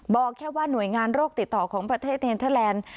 บอกแค่ว่าหน่วยงานโรคติดต่อของประเทศเนเทอร์แลนด์